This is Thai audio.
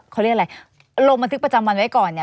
เขาเรียกอะไรลงบันทึกประจำวันไว้ก่อนเนี่ย